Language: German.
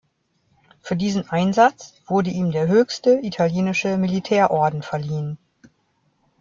Für diesen Einsatz wurde ihm der höchste italienische Militärorden verliehen.